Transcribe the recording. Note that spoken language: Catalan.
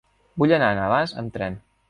Vull anar a Navàs amb tren.